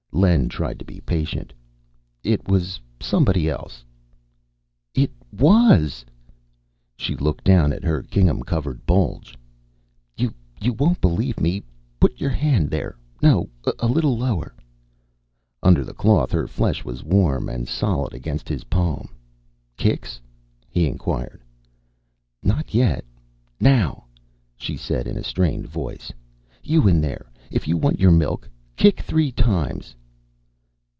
Len tried to be patient. "It was somebody else." "It was." She looked down at her gingham covered bulge. "You won't believe me. Put your hand there. No, a little lower." Under the cloth, her flesh was warm and solid against his palm. "Kicks?" he inquired. "Not yet. Now," she said in a strained voice, "you in there if you want your milk, kick three times."